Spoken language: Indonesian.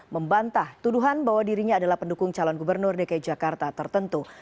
membantah tuduhan bahwa dirinya adalah pendukung calon gubernur dki jakarta tertentu